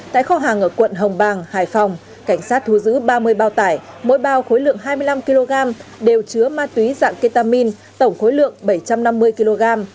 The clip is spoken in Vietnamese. tại kho hàng ở quận hồng bàng hải phòng cảnh sát thu giữ ba mươi bao tải mỗi bao khối lượng hai mươi năm kg đều chứa ma túy dạng ketamin tổng khối lượng bảy trăm năm mươi kg